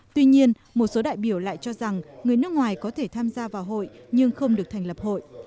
tuy nhiên một số đại biểu lại cho rằng người nước ngoài có thể tham gia vào hội nhưng không được thành lập hội